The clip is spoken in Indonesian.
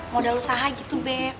modal usaha gitu bebe